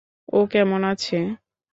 ও কেমন আছে?